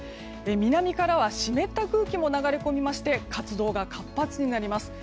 南からは湿った空気も流れ込みまして活動が活発になります。